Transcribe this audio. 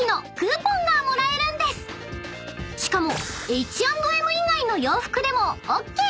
［しかも］